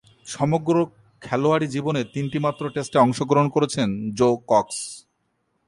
সমগ্র খেলোয়াড়ী জীবনে তিনটিমাত্র টেস্টে অংশগ্রহণ করেছেন জো কক্স।